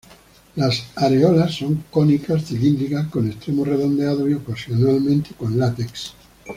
Las areolas son cónicas cilíndricas con extremos redondeados, y, ocasionalmente, con latex.